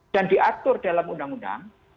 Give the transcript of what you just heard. dan diatur dalam undang undang